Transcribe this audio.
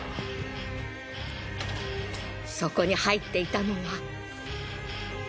そこに入っていたのは。